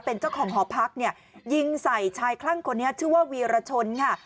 เป็นเจ้าของหอพักเนี่ยยิงใส่ชายคลั่งคนนี้ชื่อว่าวีรชนค่ะ